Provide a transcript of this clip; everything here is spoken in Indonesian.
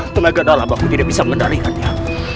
tenaga dalam aku tidak bisa mengendalikannya